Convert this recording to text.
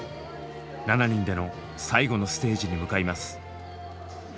７人での最後のステージに向かいます。